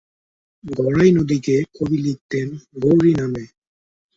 গড়াই নদীকে কবি লিখতেন গৌরী নামে।